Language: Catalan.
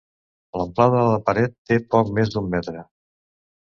L'amplada de la paret té poc més d'un metre.